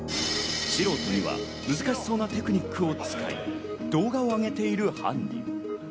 素人には難しそうなテクニックを使い、動画を上げている犯人。